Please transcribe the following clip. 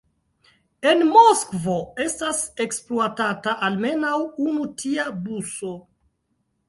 En Moskvo estas ekspluatata almenaŭ unu tia buso.